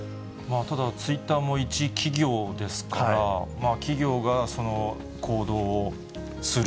ただ、ツイッターも一企業ですから、企業がその行動をする。